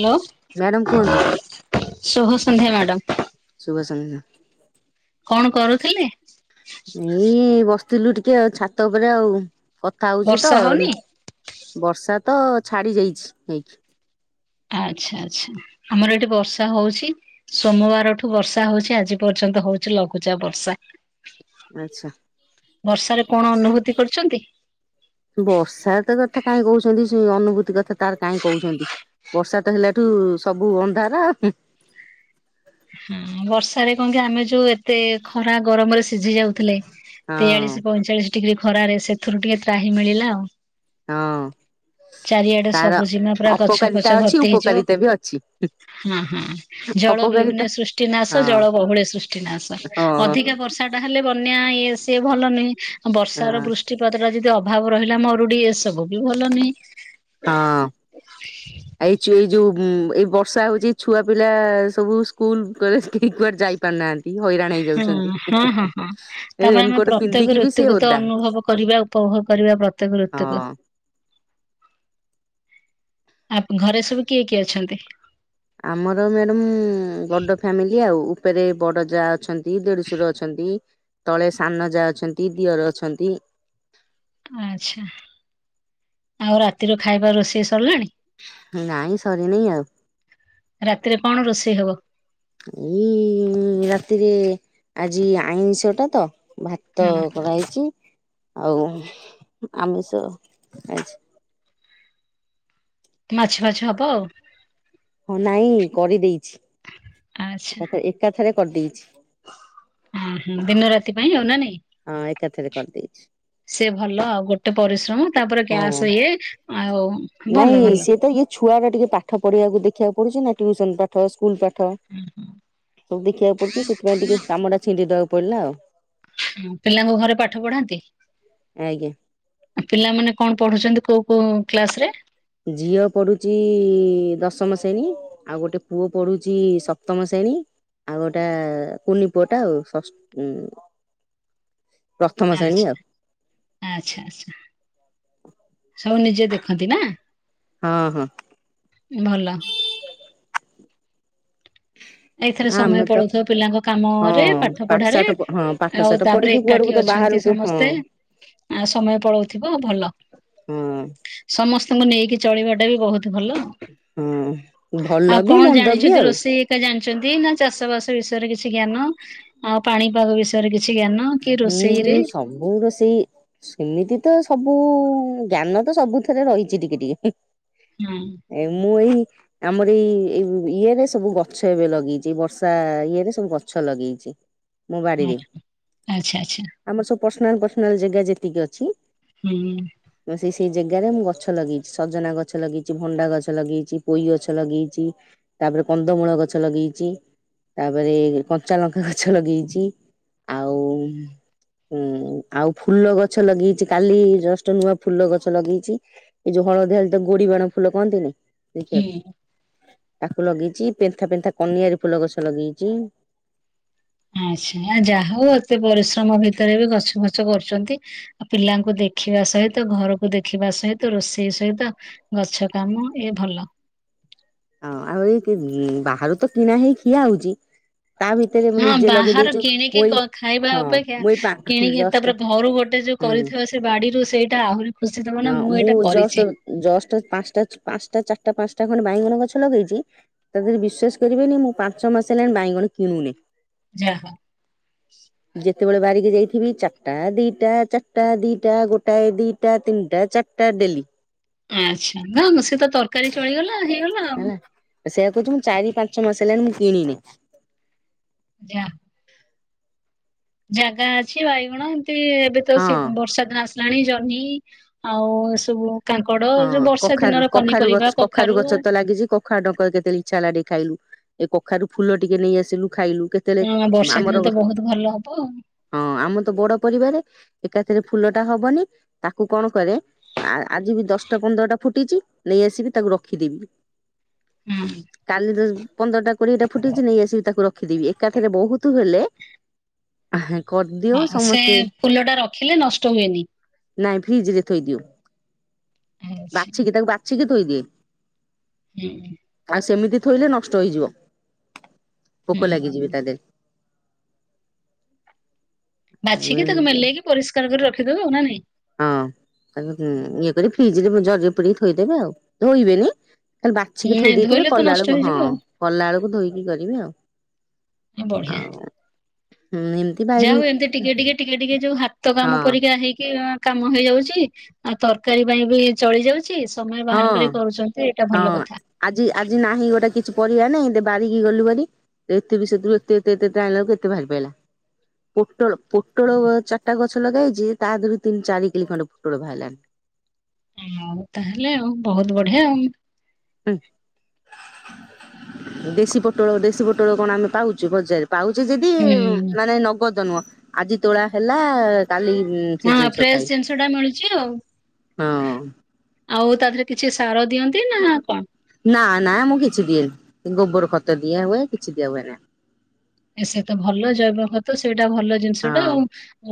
Hello, madam କୁହନ୍ତୁ ଶୁଭ ସନ୍ଧ୍ୟା ମ୍ୟାଡ଼ାମ୍। ଶୁଭ ସନ୍ଧ୍ୟା। କଣ କରୁଥିଲେ? ଏଇ ବସିଥିଲୁ ଟିକେ ଆଉ, ଛାତ ଉପରେ ଆଉ କଥା ହଉଚି ତ ବର୍ଷା ଉଁ,। ହଉନି? ବର୍ଷା ତ ଛାଡି ଯାଇଛି ହେଇକି। ଆଚ୍ଛା, ଆଚ୍ଛା ଆମର ଏଠି ବର୍ଷା ହଉଛି। ସୋମବାରଠୁ ବର୍ଷା ହଉଛି, ଆଜି ପର୍ଯ୍ୟନ୍ତ ହଉଛି ଲଘୁଚାପ ବର୍ଷା। ଆଚ୍ଛା। ବର୍ଷାରେ କଣ ଅନୁଭୂତି କରୁଛନ୍ତି? ବର୍ଷା ତ କଥା କାହିଁ କହୁଛନ୍ତି, ସେ ଅନୁଭୂତି କଥା, ତାର କାଇଁ କହୁଛନ୍ତି। ବର୍ଷା ତ ହେଲାଠୁ ସବୁ ଅନ୍ଧାର ହୁଁ,। ହଁ ବର୍ଷରେ କଣ କି ଆମେ ଯୋଉ ଏତେ ଖରା ଗରମରେ ସିଝି ଯାଉଥିଲେ ତେୟାଳିଶ ପଇଁଚାଳିଶ ଡିଗ୍ରୀ ଖରାରେ ସେଥିରୁ ଟିକେ ତ୍ରାହି ମିଳିଲା ଆଉ। ହଁ। ଚାରିଆଡେ ତାର ସବୁ ଜିମା ପୁରା ଗଛ ଅପକାରିତା ଫଛ ଅଛି ଭର୍ତ୍ତି ହେଇଯିବ। ଉପକାରିତା ବି ଅଛି ହଁ ହଁ ଜଳ ଅପକାରିତା ବିହୁନେ ସୃଷ୍ଟିନାଶ ହଁ ଜଳ ବହୁଲେ ସୃଷ୍ଟିନାଶ। ହଁ ହଁ। ଅଧିକା ବର୍ଷା ଟା ହେଲେ ବନ୍ୟା ଇଏ ସିଏ ଭଲ ନୁହେଁ ବର୍ଷାର ବୃଷ୍ଟି ପୃଷ୍ଟିପତ୍ର ଯଦି ଅଭାବ ରହିଲା ମରୁଡି ଏସବୁ ବି ଭଲ ନାହିଁ। ହଁ ଏ ଏଇ ଯୋଉ ଏଇ ବର୍ଷା ହଉଛି। ଯେ ଛୁଆ ପିଲା ସବୁ ସ୍କୁଲ କଲେଜ କେହି କୁଆଡେ ଯାଇ ପାରୁନାହାନ୍ତି। ହଇରାଣ ହଁ ହେଇଯାଉଛନ୍ତି। ହଁ ହଁ ହଁ। ଏ ତାପରେ ଆମେ ରେନିକୋଟ ପ୍ରତ୍ୟେକ ପିନ୍ଧିକି ବି ସିଏ ଋତୁକୁ ତ ଓଦା ଅନୁଭବ କରିବା ଉପଭୋଗ କରିବା ପ୍ରତ୍ୟେକ ଋତୁକୁ। ହଁ। ଆ ଘରେ ସବୁ କିଏ କିଏ ଅଛନ୍ତି? ଆମର ମ୍ୟାଡାମ ବଡ ଫାମିଲି ଆଉ ଉପରେ ବଡ ଯା ଅଛନ୍ତି। ଦି ଦେଡୁଶୁର ଅଛନ୍ତି ତଳେ ସାନ ଯା ଅଛନ୍ତି ଦିଅର ଅଛନ୍ତି। ଆଛା ଆଉ ରାତିରୁ ଖାଇବା ରୋଷେଇ ସରିଲାଣି? ନାଇଁ ସରିନି ଆଉ। ରାତିରେ କଣ ରୋଷେଇ ହବ? ଏଇ ରାତିରେ ଆଜି ଆଇଁଷ ଟା ତ ଭା ତ ହଁ କରାହେଇଛି ଆଉ ଆମିଷ ଆଜି ମାଛ ଫାଛ ହବ ଆଉ। ହଁ ନାଇଁ କରିଦେଇଛି ଏକାଥରେ କରିଦେଇଛି। ଉଁ ହୁଁ ହଁ ଦିନ ରାତି ପାଇଁ ଆଉ ନା ନାଇଁ? ହଁ ଏକାଥରେ କରିଦେଇଛି। ସେ ଭଲ ଆଉ ଗୋଟେ ପରିଶ୍ରମ ତାପରେ ହଁ ଗ୍ୟାସ ଇଏ ଆଉ ଭଲ ନାଇଁ ଭଲ। ସିଏ ତ ଇଏ ଛୁଆ ଟା ଟିକେ ପାଠ ପଢିବାକୁ ଦେଖିବାକୁ ପଡୁଛି ନା ଟ୍ୟୁସନ ପାଠ ସ୍କୁଲ ପାଠ। ହୁଁ ହୁଁ। ସବୁ ଦେଖିବାକୁ ପଡଛି ସେଥିପାଇଁ ଟିକେ କାମ ଟା ଛିଣ୍ଡି ଦବାକୁ ପଡିଲା ଆଉ। ହୁଁ ପିଲାଙ୍କୁ ଘରେ ପାଠ ପଢାନ୍ତି? ଆଜ୍ଞା। ପିଲାମାନେ କଣ ପଢୁଛନ୍ତି କୋଉ କୋଉ କ୍ଲାସ ରେ? ଝିଅ ପଢୁଛି ଦଶମ ଶ୍ରେଣୀ। ଆଉ ଗୋଟେ ପୁଅ ପଢୁଛି ସପ୍ତମ ଶ୍ରେଣୀ। ଆଉ ଗୋଟେ କୁନି ପୁଅ ଟା ଆଉ ସ ଉଁ ଆଚ୍ଛା ଆଉ ଆଚ୍ଛା ଆଚ୍ଛା ସବୁ ନିଜେ ଦେଖନ୍ତି ନା? ହଁ ହଁ। ଭଲ। ଏଇଥିରେ ସମୟ ଆମେ ତ ପଳଉଥିବ ପିଲାଙ୍କ ହଁ କାମରେ ପାଠ ପଢାରେ। ସାଠ ହଁ ପାଠ ଆଉ ସାଠ ପଢିକି ତାପରେ କୁଆଡକୁ ତ ଏକାଠି ଅଛନ୍ତି ବାହାରକୁ ହଁ ସମସ୍ତେ। ଆଉ ସମୟ ପଳଉଥିବ ଭଲ। ହଁ ସମସ୍ତଙ୍କୁ ନେଇକି ଚଳିବା ଟା ବି ବହୁତ ଭଲ। ହଁ ଭଲ ଆଉ ବି କଣ ମନ୍ଦ ବି ଜାଣିଛନ୍ତି ଆଉ ରୋଷେଇ? ଜାଣିଛନ୍ତି ନା ଚାଷବାସ ବିଷୟରେ କିଛି ଜ୍ଞାନ ଆଉ ପାଣିପାଗ ବିଷୟରେ ବିଷୟରେ କିଛି ଜ୍ଞାନ? କି ହୁଁ ରୋଷେଇରେ ସବୁ ର ସେଇ ସେମିତି ତ ସବୁ ଜ୍ଞାନ ତ ସବୁଥିରେ ରହିଛି ଟିକେ ଟିକେ ହୁଁ। ଏ ମୁଁ ଏଇ ଆମର ଏଇ ଇଏରେ ସବୁ ଗଛ ଏବେ ଲଗେଇଛି ବର୍ଷା ଇଏରେ ସବୁ ଗଛ ଲଗେଇଛି। ମୋ ହଁ ବାଡିରେ। ଆଚ୍ଛା ଆଚ୍ଛା। ଆମର ସବୁ ପର୍ସନାଲ ପର୍ସନାଲ ଜାଗା ଯେତିକି ଅଛି। ହୁଁ। ସେ ସେଇ ଜାଗାରେ ମୁଁ ଗଛ ଲଗେଇଛି ସଜନା ଗଛ ଲଗେଇଛି ଭଣ୍ଡା ଗଛ ଲଗେଇଛି ପୋଇ ଗଛ ଲଗେଇଛି। ତାପରେ କନ୍ଦମୂଳ ଗଛ ଲଗେଇଛି। ତାପରେ କଞ୍ଚା ଲଙ୍କା ଗଛ ଲଗେଇଛି। ହୁଁ ହୁଁ ଆଉ ଫୁଲ ଗଛ ଲଗେଇଛି କାଲି ଜଷ୍ଟ ନୂଆ ଫୁଲ ଗଛ ଲଗେଇଛି। ଏଇ ଯଉ ହଳଦିଆଳ ତ ଗୋରି ବାଣ ଫୁଲ କହନ୍ତିନି। ହୁଁ ଦେଖିବାକୁ ତାକୁ ଲଗେଇଛି ପେନ୍ଥା ପେନ୍ଥା କନିଆର ଫୁଲ ଗଛ ଲଗେଇଛି। ଆଚ୍ଛା ଯାହା ହଉ ଏତେ ପରିଶ୍ରମ ଭିତରେ ବି ଗଛ ଫଛ କରୁଛନ୍ତି। ଆ ପିଲାଙ୍କୁ ଦେଖିବା ସହିତ ଘରକୁ ଦେଖିବା ସହିତ ରୋଷେଇ ସହିତ। ଗଛ କାମ ଏ ଭଲ। ହଁ ଆଉ ଏଇ ବାହାରୁ ତ କିଣା ହେଇ ଖିଆ ହଉଛି ତା ଭିତରେ ମୁଁ ହଁ ନିଜେ ଲଗେଇ ବାହାରୁ ଦେଇଛୁ କିଣିକି ମୁଁ ଏଇ ଖାଇବା ହଁ ଅପେକ୍ଷା ମୁଁ ଏଇ ପା କିଣିକି ଜଷ୍ଟ ତାପରେ ଘରୁ ଗୋଟେ ଯୋଉ ହୁଁ କରିିବ ସେ ବାଡିରୁ ସେଇଟା ଆହୁରି ଖୁସି ଥବ ନା ମୁଁ ଏଇଟା କରି ଜଷ୍ଟ ପାଞ୍ଚଟା ପାଞ୍ଚଟା ଚାରିଟା ପାଞ୍ଚଟା ଖଣ୍ଡେ ବାଇଗଣ ଗ ଗଛ ଲଗେଇଛି ତା ଦେହରେ ବିଶ୍ୱାସ କରିବେନି ମୁଁ ପାଞ୍ଚ ମାସ ହେଲାଣି ବାଇଗଣ କିଣୁନି। ଯା ହଁ। ଯେତେବେଳେ ବାରିକି ଯାଇଥିବି ଚାଟା ଦିଟା ଚାଟା ଦିଟା ଗୋଟାଏ ଦିଟା ତିନିଟା ଚାର ତା ଦେଲି। ଆଚ୍ଛା। ଦେଖୁନ ସେ ତ ତରକାରୀ ଚଳିଗଲା, ହେଇଗଲା। ଆଉ ହେଲା ତ ସେଇଆ କହୁଛୁ ମୁଁ ଚାରି ପାଞ୍ଚ ମାସ ହେଲାଣି ମୁଁ କିଣିନି। ଆଜା। ଜାଗା ଅଛି ବାଇଗଣ ଏମତି ଏବେ ତ ହଁ। ବର୍ଷା ଦିନ ଆସ ଲାଣି ଜହ୍ନି ଆଉ ଏସବୁ କାଙ୍କଡ ଯୋଉ ହଁ ବର୍ଷା କଖାରୁ ଦିନର କଖାରୁ ଗଛ ପନିପରିବା କଖାରୁ ଗଛ ତ ଲାଗିଛି କ କଖାରୁ ଡ଼ଙ୍କର କେତେବେଳେ ଇଛା ହେଲା ନେଇକି ଖାଇଲୁ! ଏ କଖାରୁ ଫୁଲ ଟିକେ ନେଇ ଆସିଲୁ ଖାଇଲୁ। କେ ହଁ ବର୍ଷା ଦିନ ତ ବହୁତ ଭଲ ହବ। ହଁ ଆମ ତ ବଡ ପରିବାର ଏକାଥରେ ଫୁଲ ଟା ହବନି ତାକୁ କଣ କରେ ଆଜି ବି ଦଶଟା ପନ୍ଦରଟା ଫୁଟିଛି। ନେଇ ଆସିବି ତାକୁ ରଖିଦେବି! ହୁଁ। କାଲିର ପନ୍ଦରଟା କୋଡିଏଟା ଫୁଟିଛି ନେଇ ଆସିବି ତାକୁ ରଖିଦେବି ଏକାଥରେ ବହୁତ ହେଲେ। ଆହା, କରିଦିଅ ଆଉ ସେ ସମସ୍ତେ! ଫୁଲ ଟା ରଖିଲେ ନଷ୍ଟ ହୁଏନି। ନାଇଁ ଫ୍ରିଜି ରେ ଥୋଇ ଦିୟ ଆଚ୍ଛା ବାଛି କି ତାକୁ ବାଛି କି ଧୋଇବେ ହୁଁ। ଆ ସେମିତି ଥୋଇଲେ ନଷ୍ଟ ହେଇଯିବ ହୁଁ। ପୋକ ଲାଗିଯିବେ ତା ଦେହରେ। ଆଉ ବାଛିକି ତାକୁ ଏମିତି ମେଲେଇକି ପରିଷ୍କାର କରି ରଖିଦବ ଆଉ ନା ନାଇଁ? ହଁ ତାକୁ ଇଏ କରି ଫ୍ରିଜରେ ଜରିରେ ପୁରେଇକି ଥୋଇଦେବେ ଆଉ ଧୋଇବେନି କାଲି ବାଛିକି ନାଇଁ ଥୋଇ ଦେଇଥିବା ଧୋଇଲେ ତ ନଷ୍ଟ କଲାବେଳକୁ ହଁ ହେଇଯିବ ଆଉ। କଲା ବେଳକୁ ଧୋଇକି କରିବେ ଆଉ। ଏଁ ବଢିଆ। ହୁଁ ନିନ୍ ଯାାଉ ଏମିତି ଟିକେ ଟିକେ ଟିକେ ଟିକେ ଯୋଉ ହାତ ହଁ କାମ ପରିକା ହେଇକି କାମ ହେଇ ଯାଉଛି ଆଉ ତରକାରୀ ପାଇଁ ବି ଚଳି ଯାଉ ଛି, ସମୟ ହଁ ବାହାର କରିି କରୁଛନ୍ତି, ଏଇଟା ହଁ। ଭଲ କଥା! ଆଜି ଆଜି ନାହିଁ ଗୋଟେ କିଛି ପରିବା ନାଇଁ ଦେ ବାରିକି ଗଲୁ ଭାରି। ଏତେ ବି ସେଥିରୁ ଏତେ ଏତେ ଏତେତେ ଆାଣିଲାକୁ ଏତେ ବାହାରି ପଇଲା। ପୋଟଳ ପୁଟଳ ଚାଟା ଗଛ ଲଗେଇଛି ତା ଦେହରୁ ତିନି ଚାରି କିଲି ଖଣ୍ଡେ ପୁଟଳ ବାହାରିଲାଣି। ଆଉ ତାହେଲେ ଆଉ ବହୁତ ବଢିଆ ଆଉ। ହେ। ଦେଶୀ ପୋଟଳ ଦେଶୀ ପୋଟଳ କଣ ଆମେ ପାଉଚୁ ବଜାରରେ ପାଉଛେ ଯଦି ହୁଁ। ନାଇଁ ନଗଦନୁଅ ଆଜି ତୋଳା ହେଲା କାଲି ସେ ହଁ ଜିନିଷ ଫ୍ରେଶ ଖାଇ ଟା ମିଳୁଛି ଆଉ। ହଁ। ଆଉ ତା ଦେହରେ କିଛି ସାର ଦିଅନ୍ତୁ ନା ନା ମୁଁ କିଛି ଦିଏନି ଗୋବର ଖତ ଦିଆ ହୁଏ କିଛି ଦିଆ ହୁଏ ନାହି। ଏ ସେ ତ ଭଲ ଜୈବ ଗତ ସେଇଟା ଭଲ ଜିନିଷ ହଁ ଟା ଆଉ।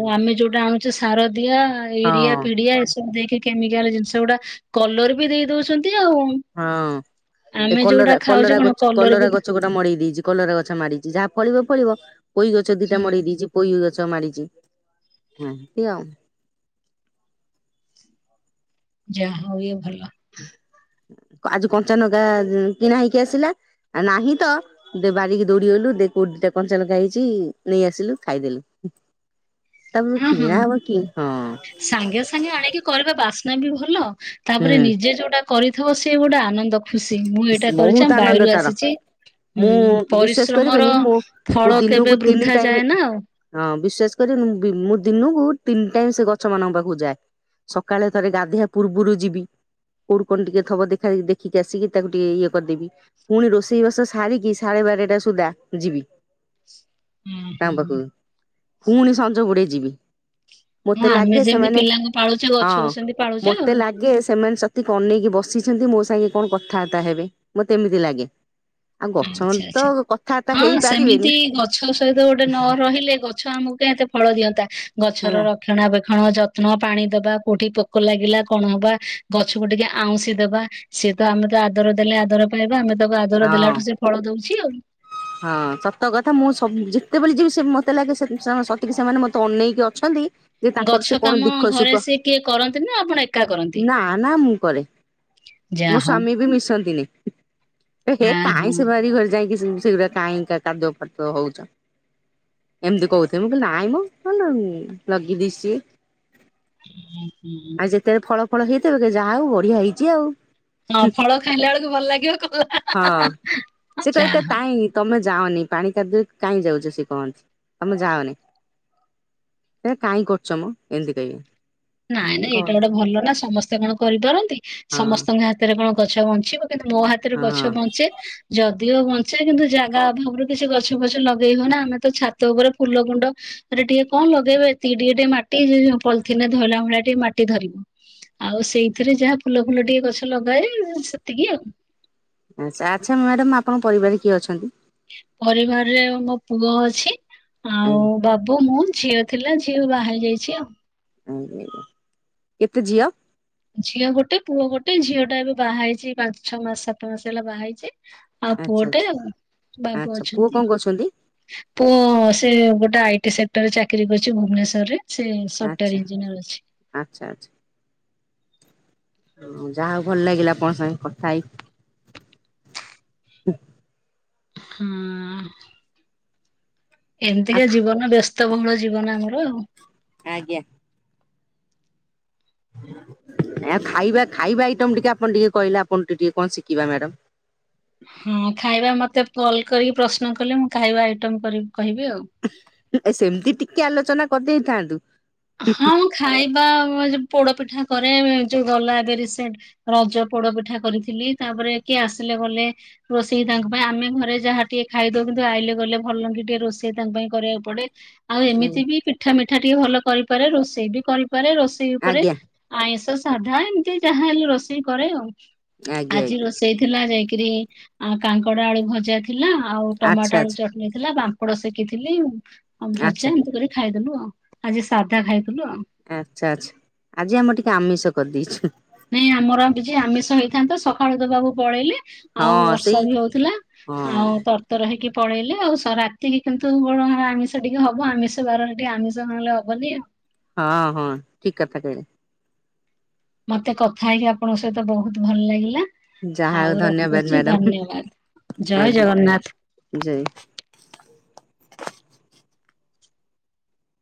ଆଉ ଆମେ ଯୋଉଁଟା ଆଣୁଛେ ସାରଦିଆ ହଁ ୟୁରିଆ ପିଡିଆ ଏସବୁ ଦେଇକି କେମିକାଲ ଜିନିଷ ଗୁଡା କଲର୍ ବି ଦେଇ ଦଉଛନ୍ତି ଆଉ। ହଁ, ଏ ଆମେ ଯୋଉଟା କଲରା ଖାଉଛେ କଲରା କଣ ଗଛ କଲର ବି କଲରା ଗଛ ଗୋଟେ ମଡେଇ ଦେଇଛି କଲରା ଗଛ ମାଡିଛି ଯାହା ଫଳିବ ଫଳିବ ପୋଇ ଗଛ ହୁଁ ଦିଟା ମଡେଇ ଦେଇଚି ପୋଇ ଗଛ ମାଡିଛି ହୁଁ ଏମିତି ଆଉ। ଯାହା ହଉ ଇଏ ଭଲ। ଆଜି କଞ୍ଚାନଗା କିଣା ହେଇକି ଆସିଲା ନାହିଁ ତ ଦେ ବାରିକି ଦୌଡିଗଲୁ ଦେ କୋ ଦିଟା କଞ୍ଚା ଲଙ୍କା ହେଇଛି ନେଇ ଆସିଲୁ ଖାଇଦେଲୁ। ତାମ ହଁ ହଁ କିଣା ଆମ କି ହଁ। ସାଙ୍ଗେ ସାଙ୍ଗେ ଆଣିକି କରିବା ବାସ୍ନା ବି ଭଲ ତାପରେ ହୁଁ ନିଜେ ଯୋଉଟା କରିଥିବ ସିଏ ଗୋଟେ ଆନନ୍ଦ ଖୁସି ମୁଁ ଏଇଟା କରିଛି ବହୁତ ଆମ ଆନନ୍ଦ ବାରିରୁ ତାର। ଆସିଛି। ମୁଁ ହୁଁ ବିଶ୍ଵାସ କରିବେନି ପରିଶ୍ରମର ମୁଁ ମୁଁ ଫଳ ଦିନକୁ କେବେ ତିନି ବୃଥା ଟାଇମ ଯାଏ ନା ଆଉ। ହଁ ବିଶେଷ କରି ମୁଁ ଦିନକୁ ତିନି ଟାଇମ ସେ ଗଛ ମାନଙ୍କ ପାଖକୁ ଯାଏ। ସକାଳେ ଥରେ ଗାଧିଆ ପୂର୍ବରୁ ଯିବି, କୋଉଠି କଣ ଟିକେ ଥବ ଦେଖା ଦେ ଠିକି ଆସିକି ତାକୁ ଟିକେ ଇଏ କରିଦେବି ପୁଣି ରୋଷେଇବାସ ସାରିକି ସାଢେ ବାରଟା ସୁଦ୍ଧା ଯିବି। ହୁଁ ତାଙ୍କ ହୁଁ ପାଖକୁ ପୁଣି ସଞ୍ଜ ବୋଡେଇ ଯିବି। ମତେ ହଁ ଆମେ ଲାଗେ ଯେମିତି ସେମାନେ ପିଲାଙ୍କୁ ପାଳୁଛେ ହଁ ଗଛକୁ ସେମିତି ପାଳୁଛେ ମତେ ଆଉ। ଲାଗେ ସେମାନେ ଶ କନେଇକି ବସିଛନ୍ତି ମୋ ସାଙ୍ଗେ କଣ କଥାବାର୍ତ୍ତା ହେବେ ମତେ ଏମିତି ଲାଗେ। ଆଉ ହୁଁ ଗଛ ମାନେ ଆଚ୍ଛା ତ ଆଚ୍ଛା କଥାବାର୍ତ୍ତା ହଁ ହେଇପାରିବେନି ସେମିତି ଗଛ ସହିତ ଗୋଟେ ନ ରହିଲେ ଗ ଗଛ ଆମକୁ କାଇଁ ଏତେ ଫଳ ଦିଅନ୍ତା ଗଛର ହେଲା ରକ୍ଷଣାବେକ୍ଷଣ ଯତ୍ନ ପାଣି ଦବା କୋଉଠି ପୋକ ଲାଗିଲା କଣ ହବା ଗଛକୁ ଟିକେ ଆଉଁସି ଦବା। ସିଏ ତ ଆମେ ତ ଆଦର ଦେଲେ ଆଦର ପାଇବା ଆମେ ତାକୁ ଆଦର ଦେଲା ହଁ ଠୁ ସେ ଫଳ ଦଉଛି ଆଉ। ହଁ ସତ କଥା ମୁଁ ସବ ଯେତେବେ ଯିବି ସେ ମତେ ଲାଗେ ସଠିକି ସେମାନେ ମତେ ଅନେଇକି ଅଛନ୍ତି। ଯେ ତାଙ୍କର ଗଛ ସେ କଣ କାମ ଦୁଃଖ ଘରେ ସୁଖ, ସେ କିଏ କରନ୍ତି ନା ଆପଣ ଏକା କରନ୍ତି? ନା ନା ମୁଁ କରେ। ଯାହା ମୋ ହଉ। ସ୍ଵାମୀ ବି ମିଶନ୍ତିନି। ହେ ଆ କାହିଁ ହଁ। ସେ ବାରି ଘରେ ଯାଇକି ସେଗୁଡା କାହିଁ କାଦ୍ୟ ଫାତ ହଉଛ। ଏମିତି କହୁଥ ମୁଁ କହିଲି ନାଇଁ ମୁ କଣ ଲଗେଇ ଦେଇେଛି ଟିକେ। ହଁ ହୁଁ। କେତେବେ ଫଳ ଫଳ ହେଇଥବେ ଯାହା ହଉ ବଢିଆ ହେଇଛି ଆଉ। ହଁ ଫଳ ଖାଇଲା ବେଳକୁ ଭଲ ଲାଗିବ କଲା ହଁ ସେ ଯାହା କହିବେ ହଉ, କହିଁ ତମେ ଯାଅନି ପାଣି କାଦୁରେ କାହିଁ ଯାଉଛ ସେ କହନ୍ତି ତମେ ଯାାଉନି। ଏ କାଇହିଁ କରୁଛ ମୁ ଏମିତି କହିବେ। ନାଇଁ ନାଇଁ ହଁ ଏଇଟା ଗୋଟେ ଭଲ ନା ସମସ୍ତେ କଣ କରିପାରନ୍ତି ସମସ୍ତଙ୍କ ହାତ ହାତରେ କଣ ଗଛ ବଞ୍ଚିବ କିନ୍ତୁ ମୋ ହାତରେ ଗଛ ହଁ ବଞ୍ଚେ। ଯଦିଓ ବଞ୍ଚେ କିନ୍ତୁ ଜାଗା ଅଭାବରୁ କିଛି ଗଛ ଫଛ ଲଗେଇ ହବ ନା ଆମେ ତ ଛାତ ଉପରେ ଫୁଲ କୁଣ୍ଡ ରେ ଟିକେ କଣ ଲଗେଇବେ ଏ ଟିକେ ଟିକେ ମାଟି ପଲିଥିିନରେ ଧରଲା ଭଳିଆ ଟିକେ ମାଟି ଧରିବ। ଆଉ ସେଇଥିରେ ଯାହା ଫୁଲ ଫୁଲ ଟିକେ ଗଛ ଲଗାଏ ସେତିକି ଆଉ। ଆା ଆଚ୍ଛା ମ୍ୟାଡ଼ାାମ ଆପଣଙ୍କ ପରିବାରରେ କିଏ ଅଛନ୍ତି। ପରିବାରରେ ମୋ ପୁଅ ଅଛି ଆଉ ଆଜ୍ଞା ବାବୁ ମୁଁ ଝିଅ ଥିଲା ଝିଅ ବାହାର ହେି ଯାଇଛି ଆଉ। ଆଜ୍ଞା କେତେ ଝିଅ। ଝିଅ ଗୋଟେ ପୁଅ ଗୋଟେ ଝିଅ ଟା ଏବେ ବାହା ହେଇଛି ପାଞ୍ଚ ଛଅ ମାସ ସାତ ମାସ ହେଲା ବାହା ହେଇଛି। ଆଉ ଆଚ୍ଛା ପୁଅଟେ ଆଚ୍ଛା ଆ ବାବୁ ଆଚ୍ଛା ପୁଅ ଅଛନ୍ତି। କଣ କରୁଛନ୍ତି? ପୁଅ ସେ ଗୋଟେ ଆଇଟି ସେକ୍ଟରରେ ଚାକିରି କରିଛି ଭୁବନେଶ୍ଵରରେ। ସେ ସଫ୍ଟୱୋର ଇଞ୍ଜିନିୟର ଅଛି। ଆଛା ଆଛା, ହ ଯାହା ହଉ ଭଲ ଲାଗିଲା ଆପଣ ସାଙ୍ଗେ କଥା ହେଇ ହୁଁ ଉଁ ଆଉ ଏମିତିକା ଜୀବନ ବ୍ୟସ୍ତବହୁଳ ଜୀବନ ଆମର ଆଉ। ଆଜ୍ଞା। ଆ ଖାଇବା ଖାଇବା ଆଇଟମ ଟିକେ ଆପଣ ଟିକେ କହିଲେ, ଆପଣ ଟିକେ ଟିକେ କଣ ଶିଖିବା ମ୍ୟାଡମ୍। ହଁ ଖାଇବା ମତେ କଲ୍ କରିକି ପ୍ରଶ୍ନ କଲେ, ମୁଁ ଖାଇବା ଆଇଟମ କରିକି କହିବି ଆଉ। ସେମିତି ଟିକେ ଆଲୋଚନା କରିଦେଇଥାନ୍ତୁ। ହଁଁ ଖାଇବା ଯ ପୋଡ ପିଠା କରେ ଯୋଉ ଗଲା ଏବେ ରିସେଣ୍ଟ। ରଜ ପୋଡ ପିଠା କରିଥିଲି, ତାପରେ କିଏ ଆସିଲେ ଗଲେ ରୋଷେଇ ତାଙ୍କ ପାଇଁ ଆମେ ଘରେ ଯାହା ଟିକେ ଖାଇଦଉ କିନ୍ତୁ ଆଇଲେ ଗଲେ ଭଲ କି ଟିକେ ରୋଷେଇ ତାଙ୍କ ପାଇଁ କରିବାକୁ ପଡେ। ଆଉ ଏମିତି ଆଜ୍ଞା ବି ପିଠା ମିଠା ଟିକେ ଭଲ କରିପାରେ, ରୋଷେଇ ବି କରିପାରେ, ରୋଷେଇ ଉପରେ ଆଜ୍ଞା ଆଇଁଷ ସାଧା ଏମିତି ଯାହା ହେଲେ ରୋଷେଇ କରେ ଆଉ, ଆଜ୍ଞା ଆଜି ରୋଷେଇ ସେଇଥିଲା ଯାଇକିରି କାଙ୍କଡ ଆଳୁ ଭଜା ଥିଲା ଆଉ ଟମାଟୋ ଆଚ୍ଛା ଆଳୁ ଆଚ୍ଛା ଚଟଣି ଥିଲା ବା ପାପଡ ସେକିଥିଲି ଭଜା ଆଚ୍ଛା ଏମିତି କରି ଖାଇଦେଲୁ ଆଉ, ଆଜି ସାଧା ଖାଇଦଥିଲୁ ଆଉ। ଆଛା ଆଛା ଆଜି ଆମ ଟିକେ ଆମିଷ କରିଦେଇଛୁ। ନାଇଁ ଆମର ଆମିଷ ହେଇଥାନ୍ତା, ସକାଳୁ ତ ବାବୁ ପଳେଇଲେ। ହଁ ଆଉ ସେଇ ବର୍ଷା ବି ହଉଥିଲା, ହଁ ଆଉ ତର ଉତ୍ତର ହେଇକି ପଳେଇଲେ ଆଉ ରାତିକି କିନ୍ତୁ ଆମିଷ ଟିକେ ହବ, ଆମିଷ ବାରରେ ଟିକେ ଆମିଷ ନହେଲେ ହବନି ଆଉ ହଁ ହଁ ଠିକ କଥା କହିଲେ। ମତେ କଥା ହେଇକି ଆପଣଙ୍କ ସହିତ ବହୁତ ଭଲ ଲାଗିଲା। ଯାହା ହଉ ଆଉ ଧନ୍ୟବାଦ ରଖୁଛି ମ୍ୟାଡାମ ଧନ୍ୟବାଦ, ଜୟ ଆଜ୍ଞା ଜଗନ୍ନାଥ। ଜୟ